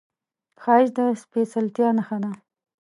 ښایست د سپېڅلتیا نښه ده